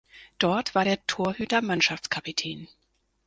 Dort war der Torhüter Mannschaftskapitän.